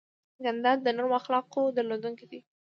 جانداد د نرمو اخلاقو درلودونکی دی.